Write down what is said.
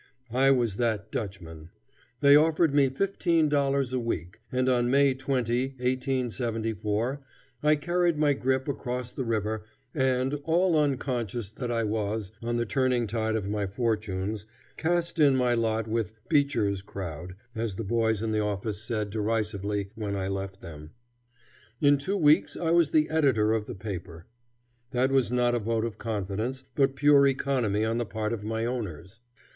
I was that "Dutchman." They offered me $15 a week, and on May, 20, 1874, I carried my grip across the river, and, all unconscious that I was on the turning tide in my fortunes, cast in my lot with "Beecher's crowd," as the boys in the office said derisively when I left them. In two weeks I was the editor of the paper. That was not a vote of confidence, but pure economy on the part of my owners.